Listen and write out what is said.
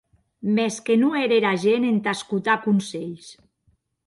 Mès que non ère era gent entà escotar conselhs!